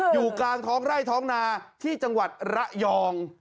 อยู่กลางท้องไร่ท้องนาที่จังหวัดระยอง